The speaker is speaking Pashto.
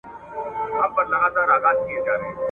په کوم کلي کي پېریانانو ..